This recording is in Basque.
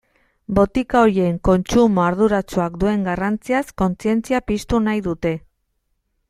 Botika horien kontsumo arduratsuak duen garrantziaz kontzientzia piztu nahi dute.